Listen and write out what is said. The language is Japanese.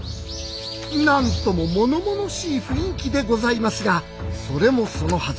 なんとも物々しい雰囲気でございますがそれもそのはず